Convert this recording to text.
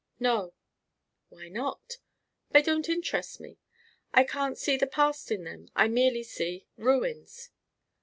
"No." "Why not?" "They don't interest me. I can't see the past in them. I merely see ruins."